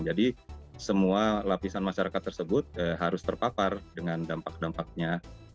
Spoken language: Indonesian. jadi semua lapisan masyarakat tersebut harus terpapar dengan dampak dampaknya